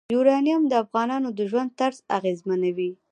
یورانیم د افغانانو د ژوند طرز اغېزمنوي.